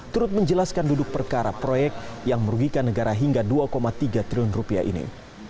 turut menjelaskan duduk perkara proyek yang merugikan negara hingga dua tiga triliun rupiah ini